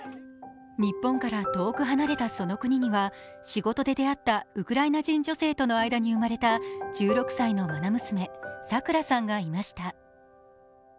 日本から遠く離れたその国には仕事で出会ったウクライナ人女性との間に生まれた１６歳のまな娘、桜さんがいました。